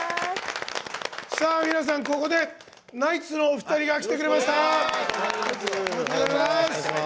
皆さん、ここでナイツのお二人が来てくれました！